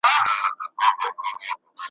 د پېریانانو ښار `